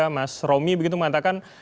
mas romy begitu mengatakan